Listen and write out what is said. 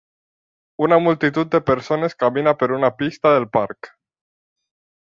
Una multitud de persones camina per una pista del parc